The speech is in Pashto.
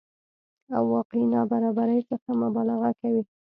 او واقعي نابرابرۍ څخه مبالغه کوي